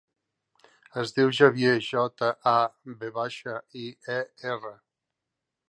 Es diu Javier: jota, a, ve baixa, i, e, erra.